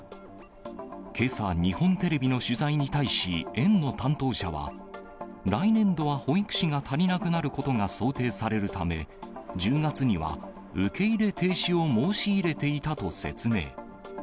けさ、日本テレビの取材に対し園の担当者は、来年度は保育士が足りなくなることが想定されるため、１０月には受け入れ停止を申し入れていたと説明。